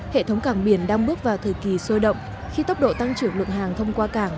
hệ thống cảng biển đang bước vào thời kỳ sôi động khi tốc độ tăng trưởng lượng hàng thông qua cảng